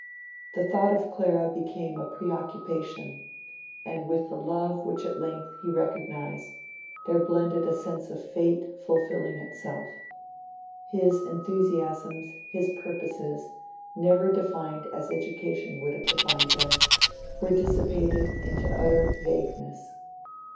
The thought of Clara became a preoccupation, and with the love which at length he recognised there blended a sense of fate fulfilling itself. His enthusiasms, his purposes, never defined as education would have defined them, were dissipated into utter vagueness.